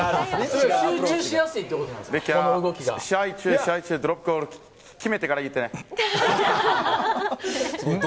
試合中、ドロップゴール決めてから言ってね。